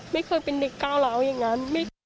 ไม่เคยเป็นเด็กก้าวร้าวอย่างนั้น